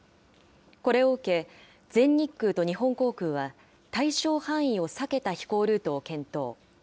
これを受け、全日空と日本航空は、対象範囲を避けた飛行ルートを検討。